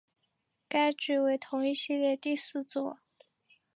该剧为同一系列第四作。